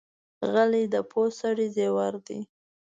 غلی، د پوه سړي زیور دی.